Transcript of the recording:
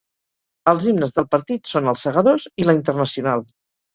Els himnes del partit són Els Segadors i La Internacional.